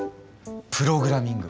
プログラミング。